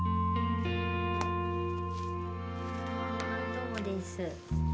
どうもです。